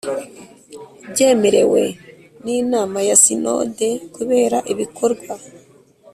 ubyemerewe n inama ya Sinode kubera ibikorwa